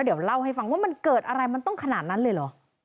เดี๋ยวเล่าให้ฟังว่ามันเกิดอะไรมันต้องขนาดนั้นเลยเหรอ